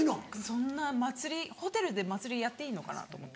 そんな祭りホテルで祭りやっていいのかなと思って。